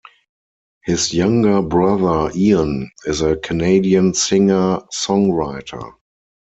His younger brother Ian is a Canadian singer-songwriter.